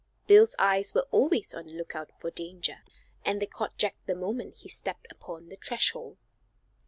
Bill's eyes were always on the lookout for danger, and they caught Jack the moment he stepped upon the threshold.